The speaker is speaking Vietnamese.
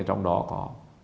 trong đó có